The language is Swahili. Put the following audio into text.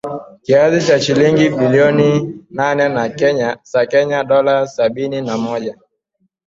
Kiasi cha shilingi bilioni nane za Kenya Dola Sabini na moja